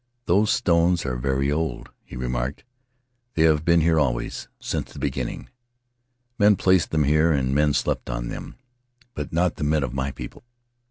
"Those stones are very old," he remarked; "they have been here always, since the beginning. Men placed them there and men Faery Lands of the South Seas slept on them, but not the men of my people."